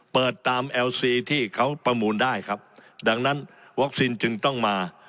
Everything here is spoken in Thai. เปิดตามเอลซีที่เขาประมูลได้ครับดังนั้นวัคซีนจึงต้องมา